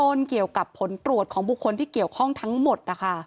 เบื้องต้นเกี่ยวกับผลตรวจของบุคคลที่เกี่ยวข้องทั้งหมด